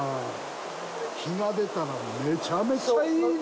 日が出たら、めちゃめちゃいいね！